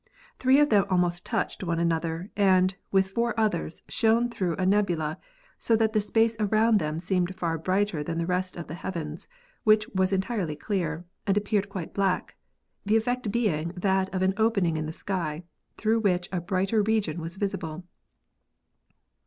Three of them almost touched one another, and, with four others, shone through a nebula, so that the space around them seemed far brighter than the rest of the heavens, which was entirely clear, and ap peared quite black, the effect being that of an opening in the sky, through which a brighter region was visible."